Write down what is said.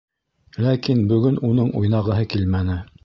Ләкин бөгөн уның уйнағыһы килмәне.